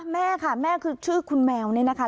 แม่ค่ะแม่คือชื่อคุณแมวนี่นะคะ